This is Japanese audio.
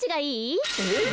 えっ！